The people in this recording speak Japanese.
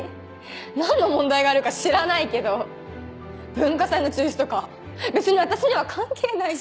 何の問題があるか知らないけど文化祭の中止とか別に私には関係ないし。